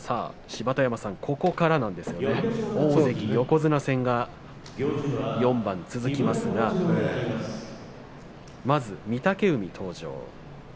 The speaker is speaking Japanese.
芝田山さん、ここからなんですが大関横綱戦が４番続きますがまず御嶽海登場。